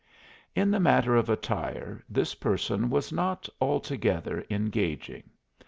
In the matter of attire this person was not altogether engaging.